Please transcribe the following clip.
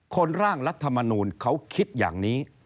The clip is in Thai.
ร่างรัฐมนูลเขาคิดอย่างนี้